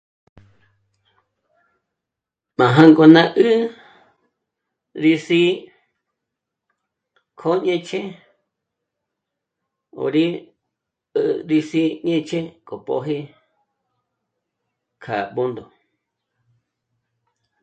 Má jángo nà 'ǜ'ü rí sí'i kjo ñě'chje 'òri 'ǜ'ü rí sí'i ñě'chje k'o pójë kja Bṓndo